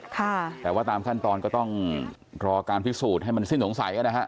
แต่ว่าตามขั้นตอนก็ต้องรอการพิสูจน์ให้มันสิ้นสงสัยนะฮะ